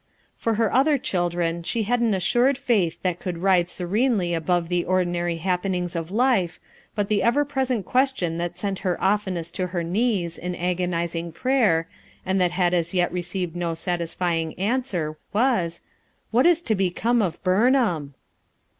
For her other children she had an assured faith that could ride serenely above the ordi nary happenings of life, but the ever present question that sent her oftenest to her knees in agonizing prayer, and that had as yet received no satisfying answer was :<« What is to become of Burnham?"